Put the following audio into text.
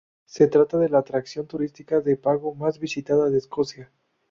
Se trata de la atracción turística de pago más visitada de Escocia.